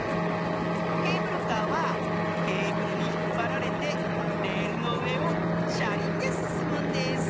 ケーブルカーはケーブルにひっぱられてレールのうえをしゃりんですすむんです。